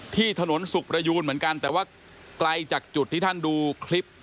ที่ถนนสุขประยูนเหมือนกันแต่ว่าไกลจากจุดที่ท่านดูคลิป